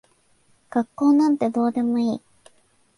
学校なんてどうでもいい。